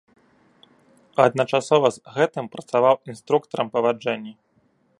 Адначасова з гэтым працаваў інструктарам па ваджэнні.